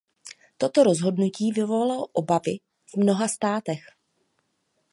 Toto rozhodnutí vyvolalo obavy v mnoha státech.